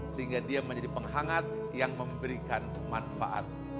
sehingga dia menjadi penghangat yang memberikan manfaat